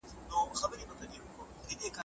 راوي وايي، چي بيا ئې دغه مبارک آيت تلاوت کړ.